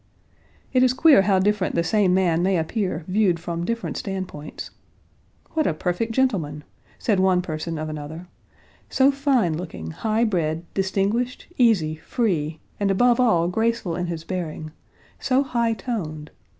It is queer how different the same man may appear viewed from different standpoints. "What a perfect gentleman," said one person of another; "so fine looking, high bred, distinguished, easy, free, and above all graceful in his bearing; so high toned!